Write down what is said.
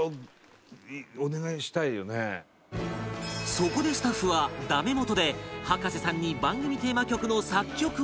そこでスタッフはダメ元で葉加瀬さんに番組テーマ曲の作曲をオファー